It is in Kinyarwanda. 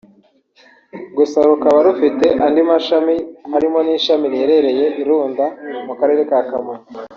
gusa rukaba rufite andi mashami harimo n’ishami riherereye i Runda mu karere ka Kamonyi